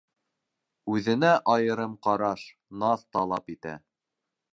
Үҙенә айырым ҡараш, наҙ талап итә.